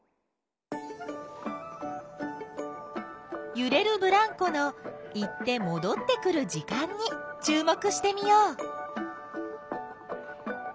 ゆれるブランコの行ってもどってくる時間に注目してみよう。